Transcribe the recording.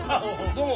どうも。